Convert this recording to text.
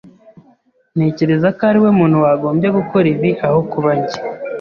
Ntekereza ko ariwe muntu wagombye gukora ibi aho kuba njye.